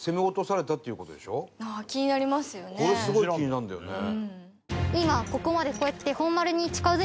これすごい気になるんだよね。